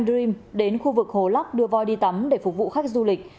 dream đến khu vực hồ lắc đưa voi đi tắm để phục vụ khách du lịch